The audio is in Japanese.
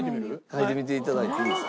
描いてみて頂いていいですか？